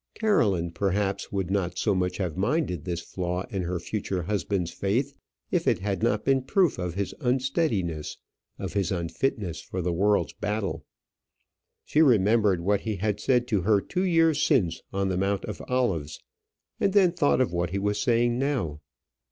Caroline, perhaps, would not so much have minded this flaw in her future husband's faith if it had not been proof of his unsteadiness, of his unfitness for the world's battle. She remembered what he had said to her two years since on the Mount of Olives; and then thought of what he was saying now.